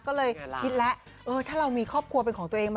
ก็เลยคิดแล้วถ้าเรามีครอบครัวเป็นของตัวเอง